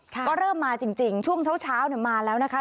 ก็เริ่มมาจริงช่วงเช้ามาแล้วนะคะ